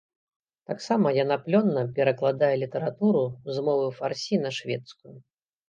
Таксама яна плённа перакладае літаратуру з мовы фарсі на шведскую.